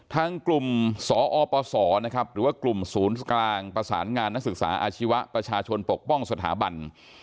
ทั้งกลุ่มสอปศนะครับหรือว่ากลุ่มศูนย์กลางประสานงานนักศึกษาอาชีวะประชาชนปกป้องสถาบัน